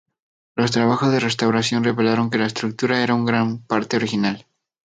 Los trabajos de restauración revelaron que la estructura era en gran parte original.